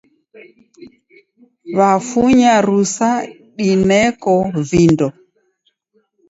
Wafunya rusa dineko vindo.